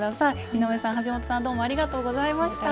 井上さん橋本さんどうもありがとうございました。